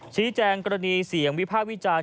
ชี้แจงกรณีเสียงวิพากษ์วิจารณ์